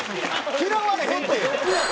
嫌われへんって！